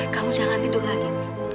kamu jangan tidur lagi